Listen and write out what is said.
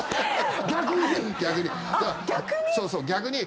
逆に。